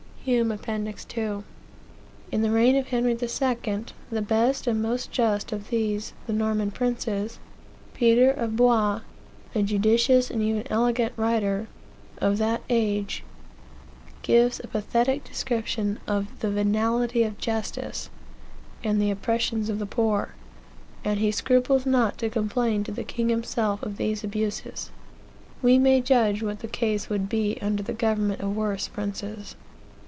Hume, Appendix 2. "In the reign of Henry II,, the best and most just of these (the Norman) princes, * *Peter, of Blois, a judicious and even elegant writer, of that age, gives a pathetic description of the venality of justice, and the oppressions of the poor, and he scruples not to complain to the king himself of these abuses. We may judge what the case would be under the government of worse princes."